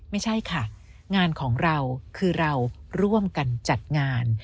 ไม่ใช่ค่ะงานของเราคือเราร่วมกันจัดงาน